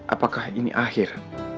apakah ini akhir